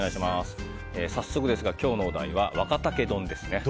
早速ですが、今日のお題は若竹丼ですね。